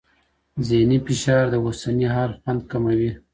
ذهني فشار د اوسني حال خوند کموي.